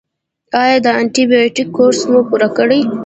ایا د انټي بیوټیک کورس مو پوره کړی؟